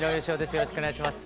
よろしくお願いします。